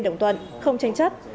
đồng toàn không tranh chất